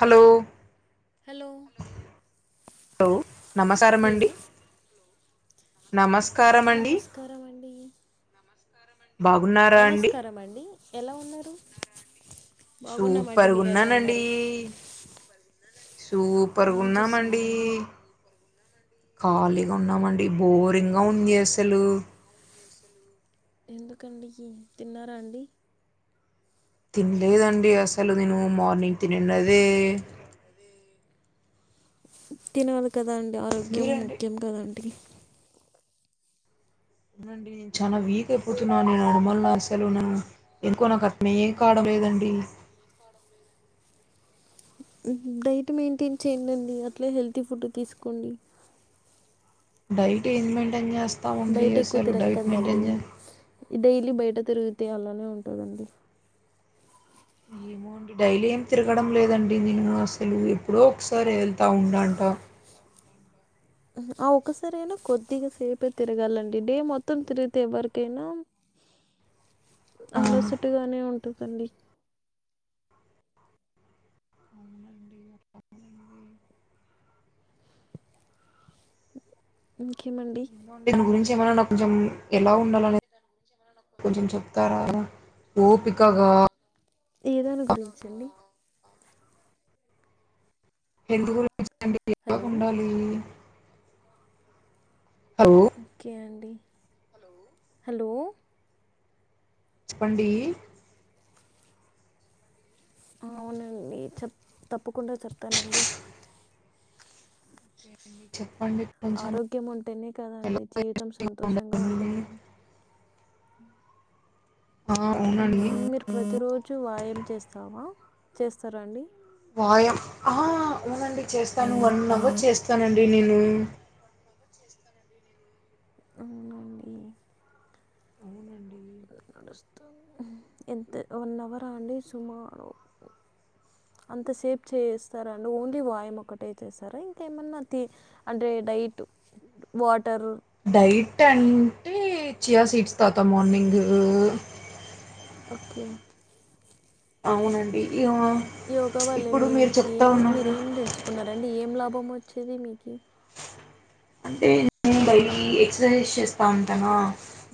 Hello hello hello నమసారం hello అండి నమస్కారం అండి నమస్కారం అండి బాగున్నారా అండి నమస్కారం అండి ఎలా ఉన్నారు బాగున్నామండి సూపర్ మీరు ఎలా గున్నానండి ఉన్నారు ఏం సూపర్గున్నామండి చేస్తున్నారండి ఖాళీగా ఉన్నామండి బోరింగ్ గా ఉంది అసలు ఎందుకండి తిన్నారా అండి తినలేదండి అసలు నేను మార్నింగ్ తినిండేదే తినాలి కదండి ఆరోగ్యం మీరండి ముఖ్యం కదండి అవునండి నేను చాలా వీక్ అయిపోతున్నాను [inaudible] అసలు ఉన్నాను ఎక్కువ నాకు ఏ [inaudible] లేదండి తొంభై మంది విలిచిన డైట్ మెయింటైన్ చేయండి అట్లే హెల్తీ ఫుడ్ తీసుకోండి డైట్ ఏం మెయింటైన్ జేస్తాముడి బయట ఎక్కువ అసలు డైట్ మెయింటైన్ తిరక్కండి చే డైలీ బయట తిరిగితే అలానే ఉంటందండి ఏమో అండి డైలీ ఏం తిరగడం లేదండి నేను అసలు ఎప్పుడో ఒక్ ఒక్కసారి వెళ్తూ ఉండంట ఊహూ ఆ ఒక్కసారయినా కొద్దిగా సేపే తిరగాలండి డే మొత్తం తిరిగితే ఎవరికైనా ఆ అలసటుగానే ఉంటుందండి అవునండి ఆ ఇంకేమండి ఏమరన్నా కొంచెం ఎలా ఉండాలనేది కొంచెం చెప్తారా రా ఓపికగా ఏదాని గురించండి హెల్త్ గురించి అంటే హలో ఎలాగుండాలి ఓకే అండి హలో చెప్పండీ ఆ అవునండి చెప్ తప్పకుండా చెప్తానండి ఏండి చెప్పండి కొంచెం ఆరోగ్యం ఉంటేనే కదా ఎలా అండి జీవితం సంతోషంగా ఉండాలి ఉంటుంది అ ఆ ఉమ్ అవునండి మీరు ప్రతిరోజు వాయం చేస్తావా చేస్తారండి వాయం ఆ అవునండి చేస్తాను వన్ అవర్ చేస్తానండి నేను ఉమ్మ్ చేస్తానండి నేను అవున అండి అవునండి నడుస్తా ఎంత వన్ అవరా అండి సుమారు టాక్ అంతసేపు చేస్తారా అండి ఓన్లీ వాయం ఒకటే చేస్తారా ఇంకేమన్నా తీ అంటే డైట్ వాటరు డైట్ అంటే చీయ్య సీట్స్ తాగ్త మార్నింగు ఓకే అవునండి ఇగ ఈ యోగా వల్లే ఇప్పుడు మీరు చెప్తా మీరీకేం ఉన్నారు మీరేం తెలుసుకున్నారండి ఏం లాభం హోమ్ వచ్చేది మీకి అంటే నేను డైలీ ఎక్సర్సైజ్ చేస్తా ఉంటానా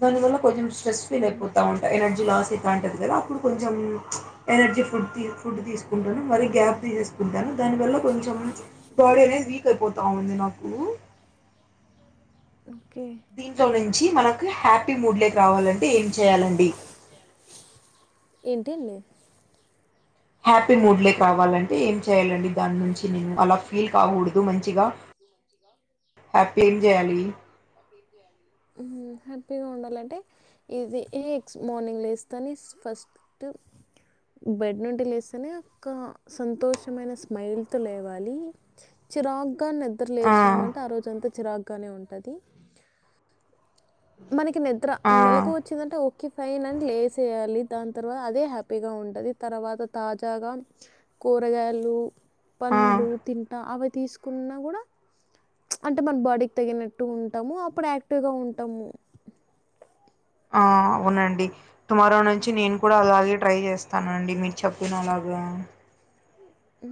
దానివల్ల కొంచెం స్ట్రెస్ ఫీల్ అయిపోతా ఉంట ఎనర్జీ లాస్ అయితాటది లేదా అప్పుడు కొంచెం ఎనర్జీ ఫుడ్ తీసుకుంటూ తీసుకుంటాను మరి గ్యాప్ తీసేసుకుంటాను దాని వల్ల కొంచెం బాడీ అనేది వీక్ అయిపోతా ఉంది నాకు ఓకే దీంట్లో నీచ్ చీ మనక్ హ్యాపీ మూడ్లే కి రావాలంటే ఏం చేయాలండి ఏంటిల్ లేదు హ్యాపీ మూడ్లే కావాలంటే ఏం చేయాలండి దాని నుంచి నేను అలా ఫీల్ కాగుడదు దు మంచిగా హ్యాపీ గా ఏం చేయాలి ఏమో ఉమ్ ఉమ్ హ్యాపీగా ఉండాలంటే ఇది ఎక్స్ మార్నింగ్ లేస్తానే ఫస్ట్ బెడ్ నుంటి లేస్తేనే ఒక సంతోషమైన స్మైల్ తో లేవాలి చిరాక్ గా నిద్ర ఆ లేచినామంటే ఆ రోజంతా చిరాగ్ గానే ఉంటుంది మనకి నిద్ర ఆ మెళలకు వచ్చిందంటే ఓకే ఫైన్ అని లేసేయాలి దాని తర్వాత అదే హ్యాపీగా ఉంటది తర్వాత తాజాగా కూరగాయలు ఆ పండ్లు తింటా అవే తీసుకున్నా కూడా అంటే మన బాడీకి తగినట్టు ఉంటాము అప్పుడు యాక్టివ్ గా ఉం టము ఆ అవునండి టుమారో నుంచి నేను కూడా అలాగే ట్రై చేస్తానండి మీరు చెప్పిన అలాగా ఉ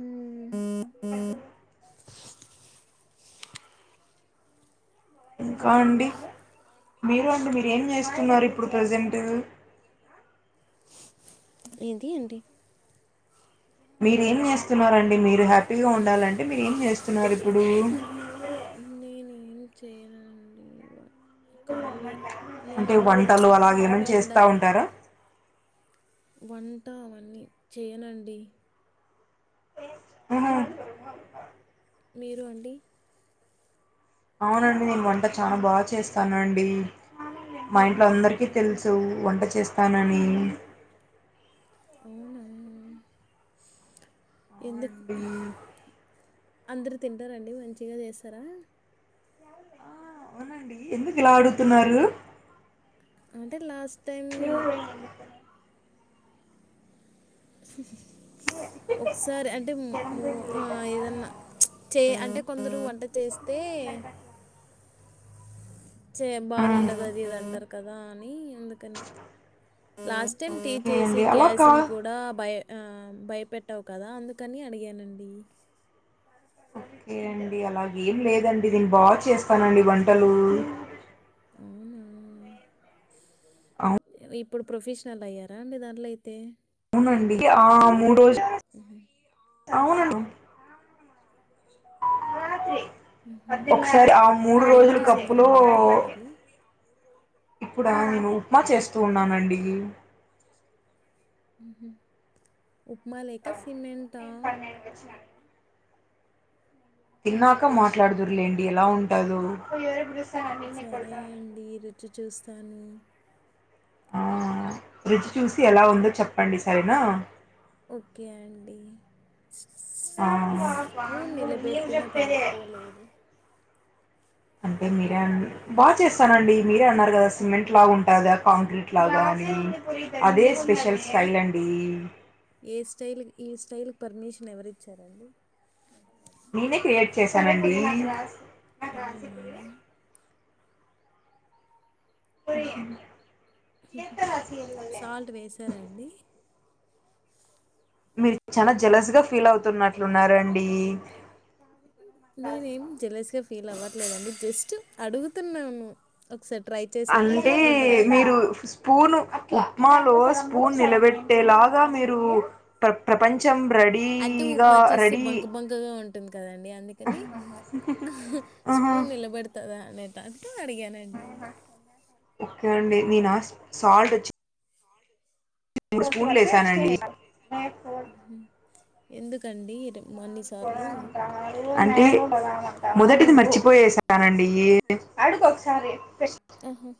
ఇంకా అండి మీరు అండి మీరు ఏం చేస్తున్నారు ఇప్పుడు ప్రజెంట్ ఏంది అండి మీరేం చేస్తున్నరండి మీరు హ్యాపీగా ఉండాలంటే మీరు ఏం చేస్తున్నారు ఇప్పుడు నేను ఏం చేయనండి కాళీ అంటే వంటలు అలాగేమన్నా చేస్తా ఉంటారా వంట అవన్నీ చేయనండి అ హ మీరు అండి అవునండి నేను వంట చాలా బాగా చేస్తానండి మా ఇంట్లో అందరికీ తెలుసు వంట చేస్తానని అవునా ఆ ఎందుకు అండి అందరూ తింటారండి మంచిగా చేస్తారా ఆ అవునండి ఎందుకు ఇలా అడుగుతున్నారు అంటే లాస్ట్ టైం మీ రూమ్ పోయింది అని చెప్పన ఒకసారి అంటే ము ఆ ఏదన్నా చే అంటే కొందరు వంట చేస్తే చే మ్మ్. బాగుండదు అది ఇది అంటారు కదా అని అందుకని లాస్ట్ టైం టీ ఓకే చేసి అండి అలా కా గ్యాస్ని కూడా బయ భయపెట్టావు కదా అందుకని అడిగానండి ఓకే అండి అలాగ ఏం లేదండి దీని బాగా చేస్తానండి వంటలు అవునా ఇప్పుడు ప్రొఫెషనల్ అయ్యారా అండి దాంట్లో అయితే మండి ఆ మూడు రోజు ఆ అవునను రాత్రి హుహు. ఒకసారి ఆ మూడు ఇప్పుడేం రోజుల కప్పులో చేస్తున్నారండి అయితే మరి? ఇప్పుడ నేను ఉప్మా చేస్తూ ఉన్నానండి ఉప్మా లేక సిమె ఏ పన్నెండు వచ్చ తిన్నాక మాట్లాడుదురులేండి ఎలా ఉంటదొ సరే అండి రుచి చూస్తాను ఆ రుచి చూసి ఎలా ఉందో చెప్పండి సరేనా ఓకే అండి ఆ స్పూన్ నిలబెట్టిన పడిపోలేదు అంటే మీరే అన్ బా చేస్తానండి, మీరే అన్నారు గదా, సిమెంట్ లాగా ఉంటుదా, కాంక్రీట్ లాగా. అదే ఆ, స్పెషల్ స్టైల్ అండీ. ఏ స్టైల్ ఈ స్టైల్కి పర్మిషన్ ఎవరిచ్చారండి. నేనే క్రియేట్ చేశానండీ. అవునా పొయ్యన్న. హు హు సాల్ట్ వేసారాండీ. మీరు చాలా జలస్ గ. ఫీల్ అవుతున్నట్లున్నారండీ. నేనేం జెలస్గా ఫీల్ అవ్వట్లేదండి జస్ట్ అడుగుతున్నాను ఓ. అంటే మీరు స్పూను. మాలో స్పూన్ నిలబెట్టేలాగా మీరు ప్ర ప్రపంచం. అంటే రడీగా ఉప్మా చేస్తే రడీ. బంక బంకగా ఉంటుంది కదండి అందుకని ఆహా స్పూన్ నిలబడుతదా అనే ట. అట్ట అడిగానండి. ఓకే అండి నేనా సాల్ట్ ఓచ్చి. మూడు స్పూన్లు ఏసానండి. మ్మ్. ఎందుకండి రే మన్నిసార్లు. అంటే మొదటిది మర్చిపోయేసానండి. ఏ అడుగు ఒకసారే ఫెష్. ఆహా.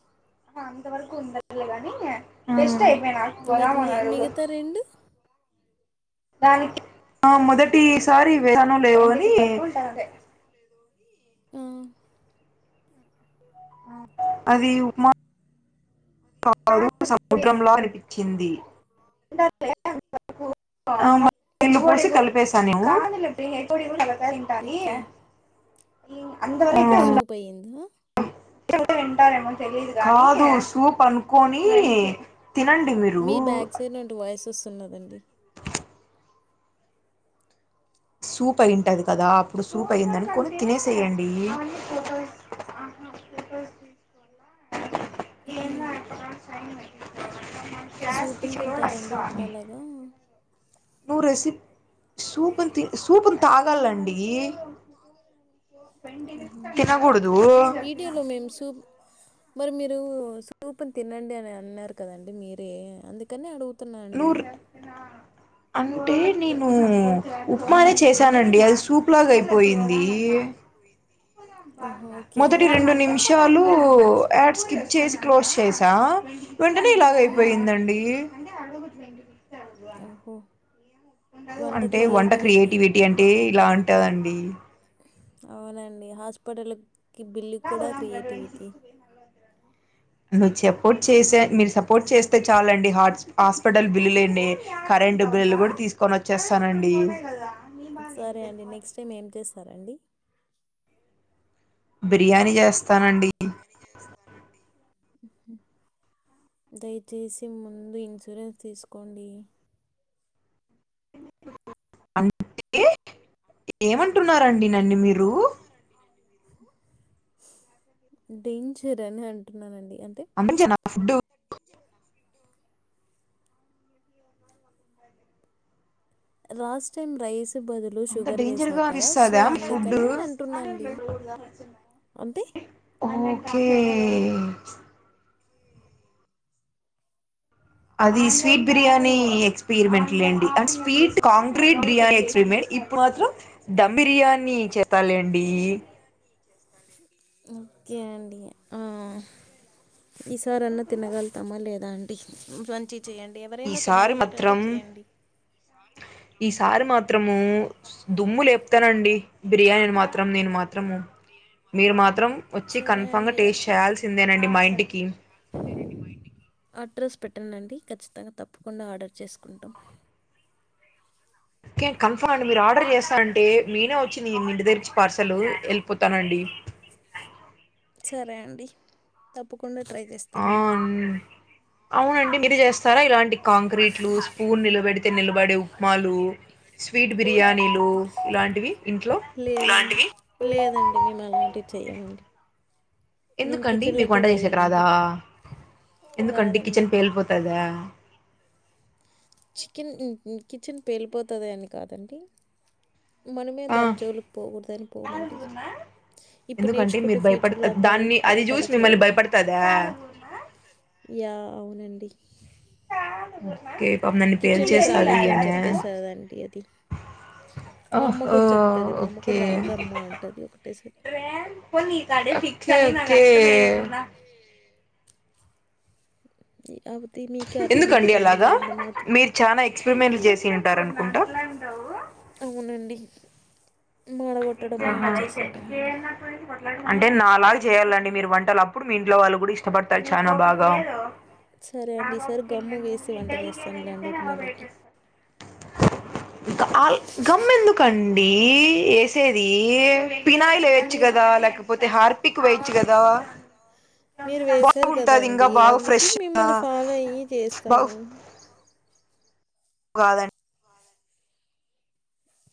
అంత వరకు ఉండలే గాని ఏ టెస్ట్ అయిపోయి. మరి ని- మిగతా రెండు డవుట్ ఆ మొదటిసారి వేసానో లేదో అనీ. ఉమ్. అది ఉక్మ. క సముద్రంలా అనిపించింది. నీళ్ళు పోసి కలిపేసాను. రంటాలియే ఓకే ఇమ్ అందారికి అప్పుడు ఉన్న. సూప్ అయ్యిందా కాదు సూప్ అనుకోనీ. తినండి మీరూ ఊ. చూస్తున్నాదండి. సూప్ అయియున్టది కదా అప్పుడు సూప్ అయ్యిందనుకని తినేసేయండి. హు ఊ. తింటారండి ఉప్మాలాగా నువ్వు రెసి. సూపుని తి సూపుని తాగాలండి. ఆహా. తినగూడదూ. వీడియోలో మేము సూప్ మరి మీరూ సూపుని తినండి అని అన్నారు కదండి మీరే అందుకని అడు. నూర్. అంటే నేను ఉప్మానే చేశానండి అస్స్. తూప్ లాగా అయిపోయింది. ఓహో ఓకే మొదటి అండి రెండు నిమిషాలూ యాడ్ స్కిప్ చేసి. క్లోస్ సేసా వెంటనే మ్మ్. ఇలాగైపోయిందండి. ఆహు. అంటే వంట క్రియేటివిటీ అంటే ఇలా అంటాదండీ. అవునండి హాస్పిటల్కీ బిల్లు కూడా క్రియేటివిటీ. నువ్వు చెప్. పోర్ట్ చేసే మిరు సపోర్ట్ చేస్తె చాలండి హాట్స్ ఆస్పటల్ బిల్లులేండీ కరెంటు బిలులు గూడ తీ తీస్కొనొచ్చేస్తానండీ సరే అండి నెక్స్ట్ టైం ఏం చేస్తారండి బిర్యాని యేస్తానండి [inaudible] దయచేసి ముందు ఇన్సూరెన్స్ తీసుకోండీ అంటే ఏమంటున్నారండి నన్ను మిరూ డేంజరని అంటున్నానండి అంటే [unintelligible] ఫుడ్డు రాస్ టైమ్ రైస్ బదు లు అంత షుగర్ డేంజర్ వేసావ్ గా కదా సో అనిపిస్తదా మీ ఫుడ్ అందుకనీ అంటున్నా అండీ అంటె [unintelligible] అదీ స్వీట్ బిర్యానీ ఎక్స్పీరిమెంట్ లేండి అంట్ స్వీట్ కాంక్రీట్ బిర్యానీ ఎక్స్పీరిమెంట్ ఇప్పుడు మాత్రం ధమ్ బిర్యానీ చేస్తలేండీ ఓకే అండీ ఆ ఈసారన్న తినగలుతామా లేదా అండి [unintelligible] చేయండి ఎవరైనా ఈసారి తినగలేటట్టే మాత్రం చేయండి త్రమూ దుమ్ములేప్తనండి బిర్యానీని మాత్రం నేను మాత్రము మీరు మాత్రం ఒచ్చి సరే కన్ఫామ్గ టేస్ట్ చేయాల్సిందేనం డి మా ఇంటికీ చ అడ్రస్ పెట్టండండి ఖచ్చితంగ తప్పకుండా ఆర్డర్ చేసుకుంటం ఒకే కన్ఫామ్ అండి మీరు ఆర్డర్ జేస్తా అంటే మేనే ఒచ్చి మీ ఇంటి దగ్గరిచ్చి పార్సలూ ఎల్పొతానండీ సరే అండి తప్పు ఆ అవునండి మిరు జేస్తారా ఇలాం కాంక్రీట్లూ స్పూన్ నిలబెడితె నిలబడే ఉప్మాలూ స్వీట్ బిర్యానీలూ ఇలాంటివి ఇంట్లో లేదండి లేదండి మేమలాంటివి చెయ్యమండి నేను ఎందుకండి మీకు కిచెన్లోకే వంట చేసేక్ రాదా వెళ్ళానండి ఎందుకండి రాదండి కిచెన్ పేలిపొతదా చికెన్ కిచెన్ పేలిపోతదని కాదండీ మనమే ఆ దాన్ జోలుకి పోగుడ్దని పోమండి ఇప్పుడు ఎందుకంటే నేర్చుకుంటే మీరు భయపడు ఫ్యూచర్‌లో అ అంతా అదే దాన్ని అది అదే జూసి మిమ్మల్ని భయపడుతదా యా అవునండి కే పాపం దాన్ని కిచెన్‌లోకి పేల్చేస్తాదీ రావద్దని అనా చెప్పేస్తదండి అది. మా అమ్మ ఒహో కూడా చెప్తది. మా అమ్మ ఒకే కూడా రాకమ్మా అంటది ఒకటేసారి. ఒకే ఒకే ఇ అవది మీకే ఎందుకండి అర్థమయున్టాదండీ అలాగా అంద మాత్ర మీరు చాలా ఎక్స్పెరిమెంట్లు చేసి ఉంటారనుకుంటా అవునండి మాడగొట్టడం ఆహా అలా చేసింటామండి. అంటే నాలాగ జెయ్యాల్లండి మీరు వంటలప్పుడు మీ ఇంట్లో వాళ్ళు గుడిష్టపడతరు చానా బాగా సరే అండి. ఈసారి గమ్ము వేసి వంట చేస్తాంలెండి ఉప్మాలోకి. [unintelligible] గమ్మెందుకండీ ఏసేదీ పినాయిల్ వేయొచ్చు మీరు గదా లేకపోతే హార్పిక్ వేయొచ్చు గదా మీరు వేసారు కదండి అందుకే ఫ్రెష్గా మిమ్మల్ని ఫాలో అయ్యి చేస్తాము హౌ గాదన్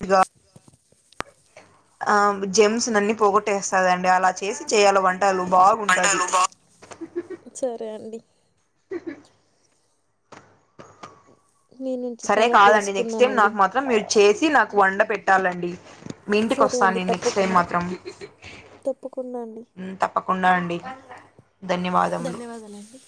ఇగ ఆ జెమ్స్ నన్ని పోగొట్టేస్తాదండి అలా చేసి చెయ్యాల వంటలు బాగుంటాది సరే అండి మీ నుంచి సరే చాలా కాదండి నెక్స్ట్ టైం తెలుసుకున్నామండి నాకు మాత్రం మీరు చేసి నాకు వండ పెట్టాలండి మీ ఇంటికొ సరే నెక్స్ట్ టైం మాత్రం తప్పుకున్నాండి ప్పకుండా అండి ధన్యవాదములు ధన్యవాదాలండి